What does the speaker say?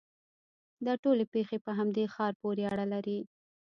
دا ټولې پېښې په همدې ښار پورې اړه لري.